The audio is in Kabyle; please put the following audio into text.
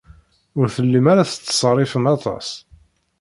Ur tellim ara tettṣerrifem aṭas.